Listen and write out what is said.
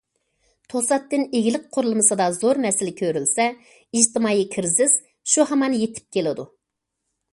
توساتتىن ئىگىلىك قۇرۇلمىسىدا زور مەسىلە كۆرۈلسە، ئىجتىمائىي كىرىزىس شۇ ھامان يېتىپ كېلىدۇ.